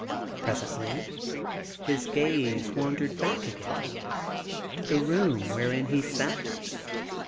Presently his gaze wandered back again to the room wherein he sat.